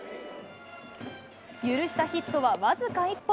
許したヒットは僅か１本。